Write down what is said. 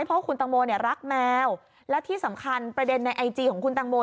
เพราะคุณตังโมเนี่ยรักแมวและที่สำคัญประเด็นในไอจีของคุณตังโม